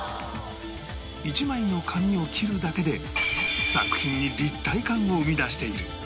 １枚の紙を切るだけで作品に立体感を生み出している